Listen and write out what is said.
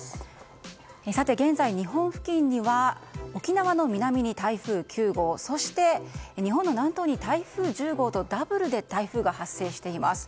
さて現在、日本付近には沖縄の南に台風９号そして日本の南東に台風１０号とダブルで台風が発生しています。